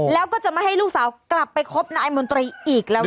แล้วก็จะไม่ให้ลูกสาวกลับไปคบนายมนตรีอีกแล้ว